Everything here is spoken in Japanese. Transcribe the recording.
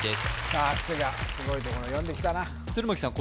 さすがすごいところ読んできたな鶴巻さん